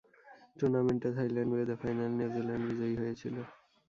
টুর্নামেন্টে থাইল্যান্ড বিরুদ্ধে ফাইনালে নিউজিল্যান্ড বিজয়ী হয়েছিল।